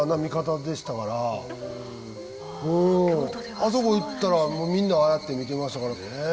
あそこ行ったらみんなああやって見てましたからね。